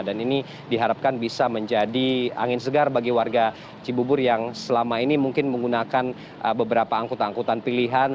dan ini diharapkan bisa menjadi angin segar bagi warga cibubur yang selama ini mungkin menggunakan beberapa angkutan angkutan pilihan